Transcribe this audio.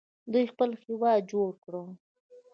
دوی خپل هیواد جوړ کړ.